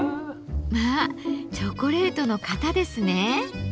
まあチョコレートの型ですね。